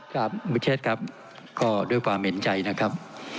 ครับมิเชษครับก็ด้วยความเห็นใจนะครับ